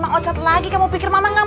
bang ocat lagi kamu pikir mama gak mau